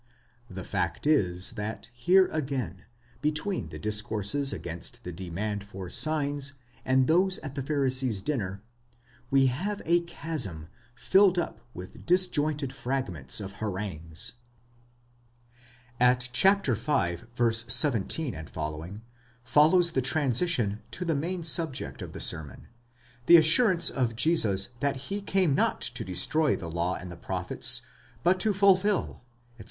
The fact is, that here again, between the discourses against the demand for signs and those at the Pharisee's dinner, we have a chasm filled up with disjointed fragments of harangues. At v. 17 ff. follows the transition to the main subject of the sermon; the assurance of Jesus that he came not to destroy the law and the prophets, but to fulfil, etc.